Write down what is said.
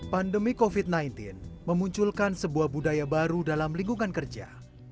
pandemi covid sembilan belas memunculkan sebuah budaya baru dalam lingkungan kerja